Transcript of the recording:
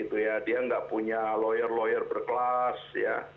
dia tidak punya lawyer lawyer berkelas